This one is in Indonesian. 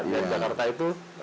jadi jakarta itu